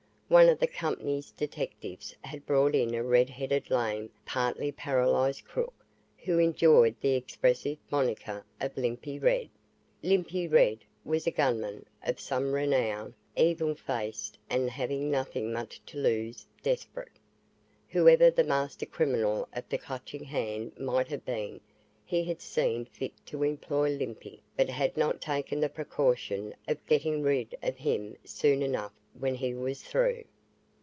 One of the company's detectives had brought in a red headed, lame, partly paralyzed crook who enjoyed the expressive monniker of "Limpy Red." "Limpy Red" was a gunman of some renown, evil faced and having nothing much to lose, desperate. Whoever the master criminal of the Clutching Hand might have been he had seen fit to employ Limpy but had not taken the precaution of getting rid of him soon enough when he was through.